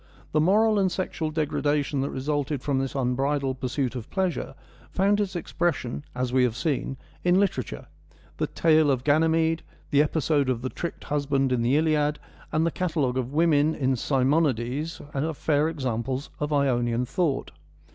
The moral and sexual degradation that resulted from this unbridled pursuit of pleasure found its expres sion, as we have seen, in literature. The tale of Ganymede, the episode of the tricked husband in the Iliad, and the catalogue of women in Simonides, are fair samples of Ionian thought.